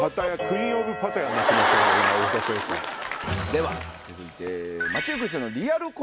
では続いて。